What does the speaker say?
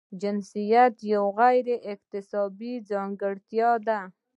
جنسیت یوه غیر اکتسابي ځانګړتیا ده.